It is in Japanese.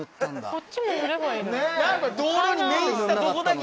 こっちも塗ればいいのに。